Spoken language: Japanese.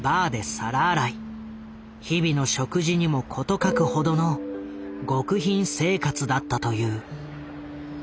日々の食事にも事欠くほどの極貧生活だったという。